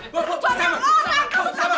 bapak orang kamu takut malu kamu sonda